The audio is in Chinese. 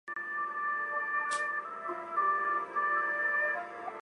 佩勒雷人口变化图示